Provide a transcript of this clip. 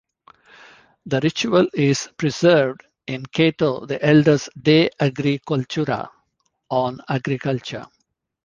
The ritual is preserved in Cato the Elder's "De Agri Cultura", "On Agriculture".